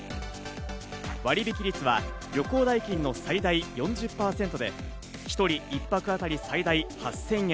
割引率は旅行代金の最大４０％で、一人１泊あたり最大８０００円。